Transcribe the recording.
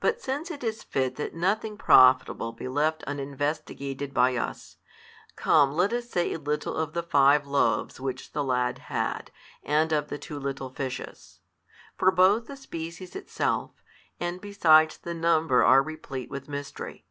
But since it is fit that nothing profitable be left uninvestigated by us; come let us say a little of the five loaves which the lad had and of the two little fishes: for both the |329 species itself, and besides the numbers are replete with mystery.